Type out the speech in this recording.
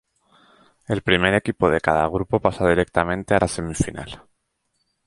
El primer equipo de cada grupo pasa directamente a la semifinal.